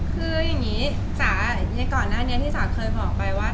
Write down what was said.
คืออย่างนี้จ๋าในก่อนหน้านี้ที่จ๋าเคยบอกไปว่า